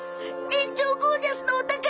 園長ゴージャスのお宝！